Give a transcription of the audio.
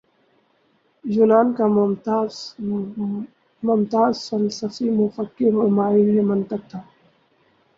یونان کا ممتاز فلسفی مفکر اور ماہر منطق تھا